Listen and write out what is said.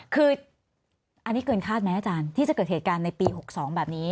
คืออันนี้เกินคาดไหมอาจารย์ที่จะเกิดเหตุการณ์ในปี๖๒แบบนี้